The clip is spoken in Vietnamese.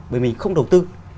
bởi mình không đầu tư